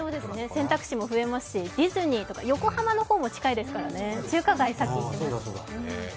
選択肢も増えますし、ディズニーとか横浜も近いですからね、中華街にさっき行ってましたしね。